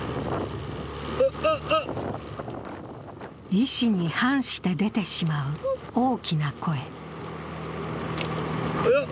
意思に反して出てしまう大きな声。